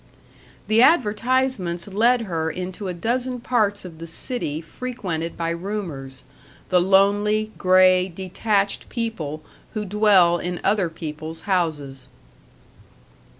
The advertisements led her into a dozen parts of the city frequented by roomers, the lonely, gray, detached people who dwell in other people's houses.